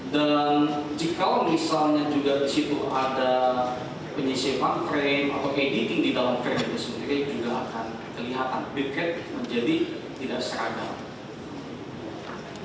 dan jika misalnya juga disitu ada penyesuaian frame atau editing di dalam frame itu sendiri juga akan kelihatan bitrate menjadi tidak seragam